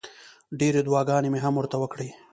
ډېرې دوعاګانې مې هم ورته وکړې.